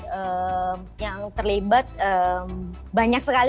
jadi yang terlibat banyak sekali